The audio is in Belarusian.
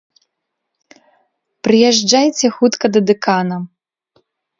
Прыязджайце хутка да дэкана!